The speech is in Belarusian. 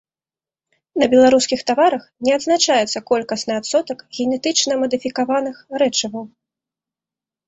На беларускіх таварах не адзначаецца колькасны адсотак генетычна мадыфікаваных рэчываў.